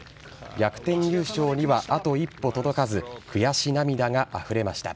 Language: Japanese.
逆転優勝にはあと一歩届かず、悔し涙があふれました。